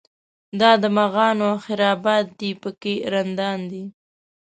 دا د مغانو خرابات دی په کې رندان دي.